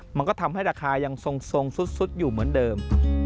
มันก็ทำให้ราคายังทรงซุดอยู่เหมือนเดิม